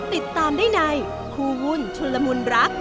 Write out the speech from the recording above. ติดตามได้ในคู่วุ่นชุนละมุนรัก